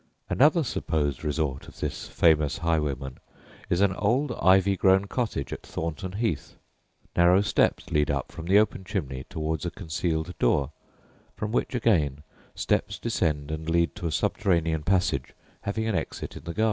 Another supposed resort of this famous highwayman is an old ivy grown cottage at Thornton Heath. Narrow steps lead up from the open chimney towards a concealed door, from which again steps descend and lead to a subterranean passage having an exit in the garden.